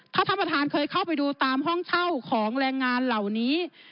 ถ้าท่านประธานเคยเข้าไปดูตามห้องเช่าของแรงงานเหล่านี้